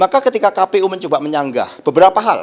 maka ketika kpu mencoba menyanggah beberapa hal